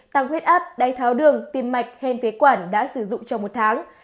tăng huyết áp đáy tháo đường tiêm mạch hèn phế quản đã sử dụng trong một tháng